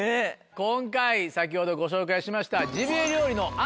今回先ほどご紹介しました。